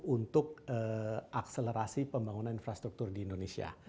untuk akselerasi pembangunan infrastruktur di indonesia